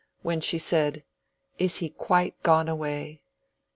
When she said— "Is he quite gone away?"